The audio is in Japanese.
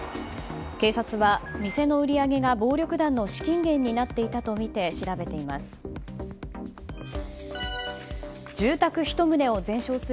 警察は、店の売り上げが暴力団の資金源になっていたとみて調べています。